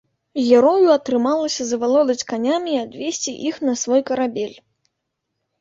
Герою атрымалася завалодаць канямі і адвесці іх на свой карабель.